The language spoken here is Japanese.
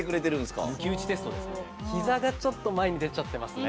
ひざが、ちょっと前に出ちゃってますね。